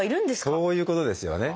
そういうことですよね。